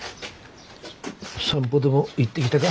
散歩でも行ってきたか？